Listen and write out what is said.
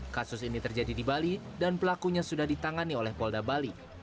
kasus ini terjadi di bali dan pelakunya sudah ditangani oleh polda bali